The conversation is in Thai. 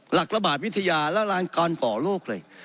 หลักระบาดวิทยาและการก่อโรคเลย